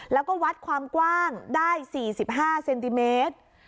แล้วก็วัดความกว้างได้๔๕เซนติเมตร